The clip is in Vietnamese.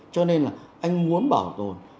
cho nên là anh muốn bảo tồn